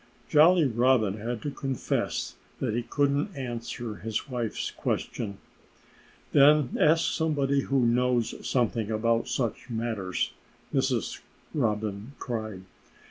Jolly Robin had to confess that he couldn't answer his wife's question. "Then ask somebody who knows something about such matters!" Mrs. Robin cried.